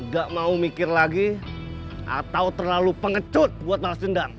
gak mau mikir lagi atau terlalu pengecut buat malas dendam